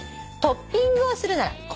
「トッピングをするなら」